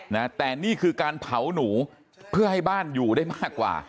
นะแต่นี่คือการเผาหนูเพื่อให้บ้านอยู่ได้มากกว่า